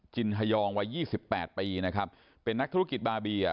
จินหยองวัยยี่สิบแปดประยีนะครับเป็นนักธุรกิจบาร์บีอ่า